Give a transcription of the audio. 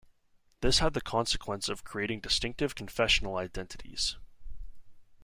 This had the consequence of creating distinctive confessional identities.